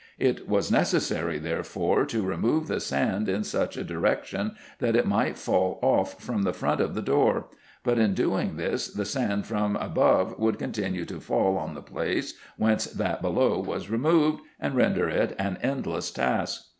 It was necessary, therefore, to remove the sand in such a direction, that it might fall off from the front of the door : but in doing this the sand from above would continue to fall on the place whence that below was removed, and render it an endless task.